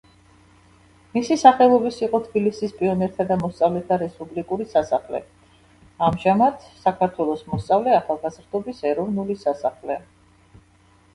მისი სახელობის იყო თბილისის პიონერთა და მოსწავლეთა რესპუბლიკური სასახლე, ამჟამად საქართველოს მოსწავლე-ახალგაზრდობის ეროვნული სასახლე.